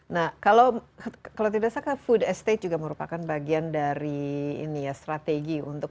nah kalau tidak salah food estate juga merupakan bagian dari ini ya strategi untuk